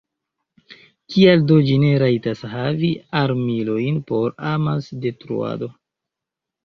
Kial do ĝi ne rajtas havi armilojn por amasdetruado?